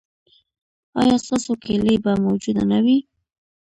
ایا ستاسو کیلي به موجوده نه وي؟